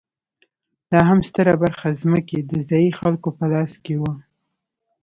لا هم ستره برخه ځمکې د ځايي خلکو په لاس کې وه.